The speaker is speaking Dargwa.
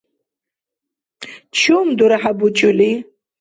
Чум дурхӏя бучӏули?